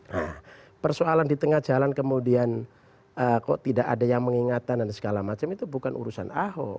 nah persoalan di tengah jalan kemudian kok tidak ada yang mengingatkan dan segala macam itu bukan urusan ahok